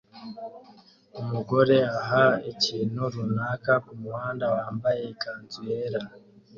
Umugore aha ikintu runaka kumuhanda wambaye ikanzu yera